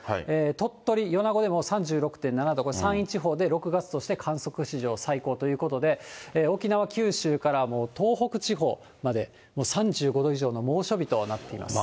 鳥取・米子でも３６．７度、これ、山陰地方で６月として観測史上最高ということで、沖縄、九州から、もう東北地方まで、３５度以上の猛暑日となっています。